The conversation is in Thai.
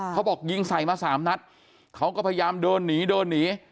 เขาบอกยิงใส่มาสามนัดเขาก็พยายามเดินหนีเดินหนี